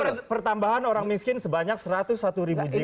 ada pertambahan orang miskin sebanyak satu ratus satu ribu jiwa